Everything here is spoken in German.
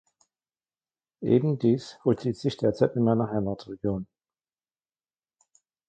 Eben dies vollzieht sich derzeit in meiner Heimatregion.